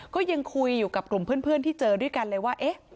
ก็ยังคุยอยู่กับกลุ่มเพื่อนที่เจอด้วยกันเลยว่าเอ๊ะ